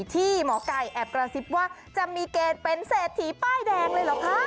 หมอไก่แอบกระซิบว่าจะมีเกณฑ์เป็นเศรษฐีป้ายแดงเลยเหรอคะ